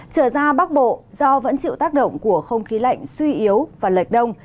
trở ra bắc bộ do vẫn chịu tác động của không khí lạnh suy yếu và lệch đông